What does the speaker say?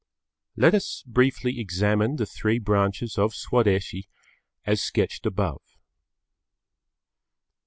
Let us briefly examine the three branches of Swadeshi as sketched above.